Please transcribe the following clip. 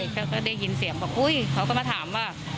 ก็ได้ยินเสียงบอกอุ๊ยเขาก็มาถามว่า